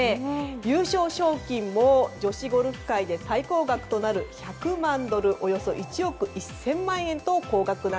優勝賞金も女子ゴルフ界で最高額となる１００万ドルおよそ１億１０００万円と高額。